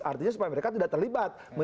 artinya supaya mereka tidak terlibat